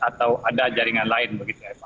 atau ada jaringan lain begitu eva